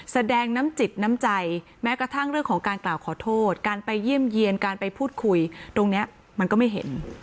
แสดงน้ำจิตน้ำใจแม้กระทั่งเรื่องของการกล่าวขอโทษการไปเยี่ยมเยี่ยนการไปพูดคุยตรงนี้มันก็ไม่เห็น